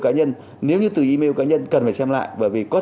nó quá nghiễm đi